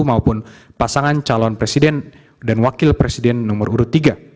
maupun pasangan calon presiden dan wakil presiden nomor urut tiga